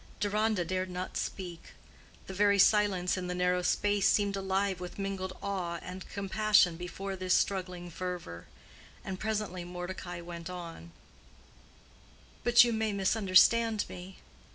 Deronda dared not speak: the very silence in the narrow space seemed alive with mingled awe and compassion before this struggling fervor. And presently Mordecai went on: "But you may misunderstand me.